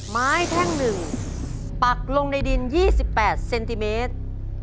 ไม้แท่งหนึ่งปักลงในดิน๒๘เซนติเมตร